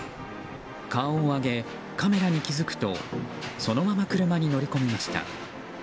顔を上げカメラに気付くとそのまま車に乗り込みました。